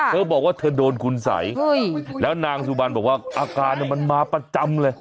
เธอบอกว่าเธอโดนคุณสัยแล้วนางสุบันบอกว่าอาการมันมาประจำเลย